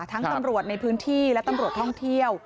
ตำรวจในพื้นที่และตำรวจท่องเที่ยว